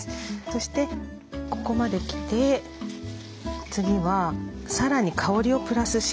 そしてここまで来て次はさらに香りをプラスします。